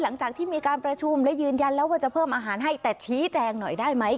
หลังจากที่มีการประชุมและยืนยันแล้วว่าจะเพิ่มอาหารให้แต่ชี้แจงหน่อยได้ไหม